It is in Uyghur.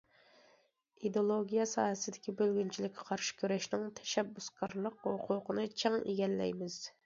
ئىدېئولوگىيە ساھەسىدىكى بۆلگۈنچىلىككە قارشى كۈرەشنىڭ تەشەببۇسكارلىق ھوقۇقىنى چىڭ ئىگىلەيمىز.